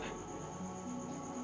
ratu lu ada dimana